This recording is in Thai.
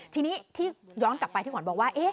ทีนี้ที่ย้อนกลับไปที่ขวัญบอกว่า